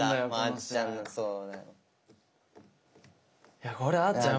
いやこれあっちゃん